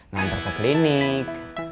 ngantar ke klinik